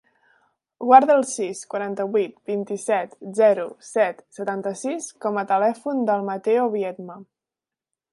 Guarda el sis, quaranta-vuit, vint-i-set, zero, set, setanta-sis com a telèfon del Matteo Viedma.